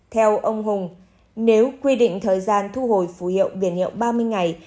theo ông hùng nếu quy định thời gian thu hồi phù hiệu biển hiệu ba mươi ngày